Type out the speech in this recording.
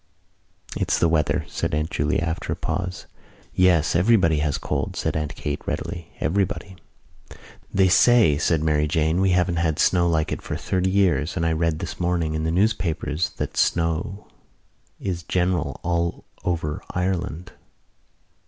"It's the weather," said Aunt Julia, after a pause. "Yes, everybody has colds," said Aunt Kate readily, "everybody." "They say," said Mary Jane, "we haven't had snow like it for thirty years; and I read this morning in the newspapers that the snow is general all over Ireland."